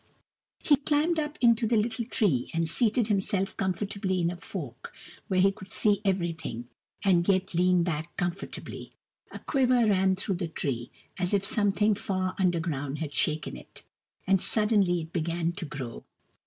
He climbed up into the little tree and seated him self comfortably in a fork, where he could see every thing, and yet lean back comfortably. A quiver ran through the tree, as if something far under ground had shaken it ; and suddenly it began to grow.